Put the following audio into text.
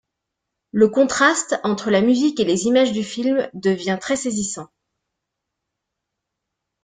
Le contraste entre la musique et les images du film devient très saisissant.